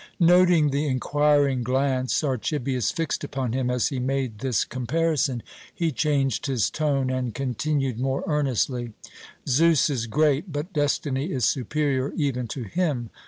Noting the inquiring glance Archibius fixed upon him as he made this comparison, he changed his tone and continued more earnestly: "Zeus is great, but destiny is superior even to him.